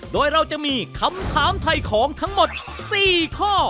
โดยเราจะมีคำถามถ่ายของทั้งหมด๔ข้อ